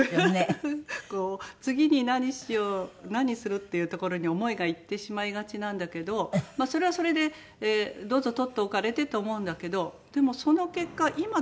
次に何しよう何するっていうところに思いがいってしまいがちなんだけどそれはそれでどうぞ取っておかれてって思うんだけどでもその結果今どうなってるんだろう